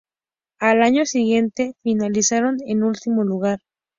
Al año siguiente, finalizaron en último lugar.